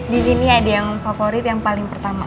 disini ada yang favorit yang paling pertama